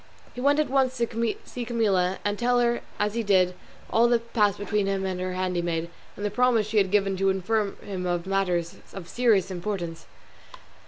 He went at once to see Camilla, and tell her, as he did, all that had passed between him and her handmaid, and the promise she had given him to inform him matters of serious importance.